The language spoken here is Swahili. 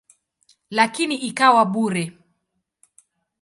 Lakini ikawa bure.